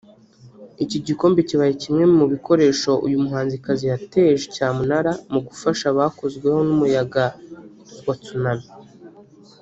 Iki gikombe kibaye kimwe mu bikoresho uyu muhanzikazi yateje cyamunara mu gufasha abakozweho n’umuyaga wa Tsunami